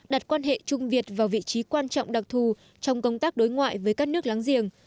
đặt quan hệ trung việt vào vị trí quan trọng đặc thù trong công tác đối ngoại với các nước láng giềng